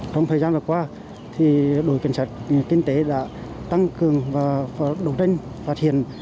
trong thời gian vừa qua đội cảnh sát kinh tế đã tăng cường và đầu tranh phát hiện